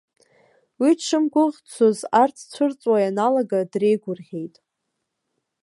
Уи дшымгәыӷӡоз арҭ цәырҵуа ианалага дреигәырӷьеит.